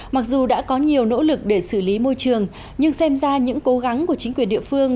mặc dù đã có nhiều nỗ lực để xử lý môi trường nhưng xem ra những cố gắng của chính quyền địa phương